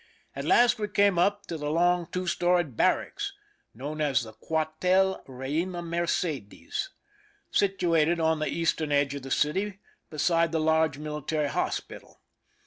At last we came up to the long two story barracks known as the Cuartel Eeina Mercedes, situated on the eastern edge of the city beside the large military hospital.